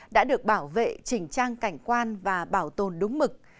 đã được bảo vệ chỉnh trang cảnh quan và bảo tồn đúng mực